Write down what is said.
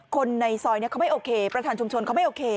คนในซอยเขาไม่โอเคประธานชุมชนเขาไม่โอเค